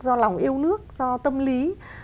do lòng yêu nước do tâm lý